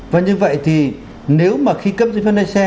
và như vậy thì nếu mà khi cấp giấy phép lái xe